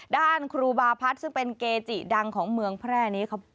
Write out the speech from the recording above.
ด้านครูบาพัฒน์ซึ่งเป็นเกจิดังของเมืองแพร่นี้